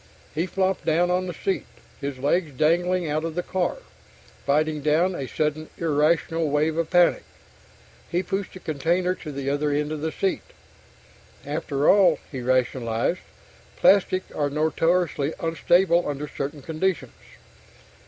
He flopped down on the seat, his legs dangling out of the car, fighting down a sudden irrational wave of panic. He pushed the container to the other end of the seat. After all, he rationalized, _plastics are notoriously unstable under certain conditions.